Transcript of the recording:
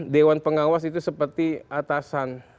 dewan pengawas itu seperti atasan